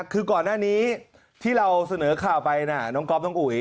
คือก่อนหน้านี้ที่เราเสนอข่าวไปนะน้องก๊อฟน้องอุ๋ย